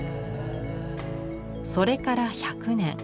それから１００年。